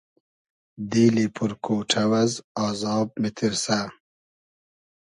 دیلی پور کۉݖۆ از آزاب میتیرسۂ